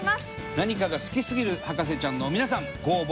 何かが好きすぎる博士ちゃんの皆さんご応募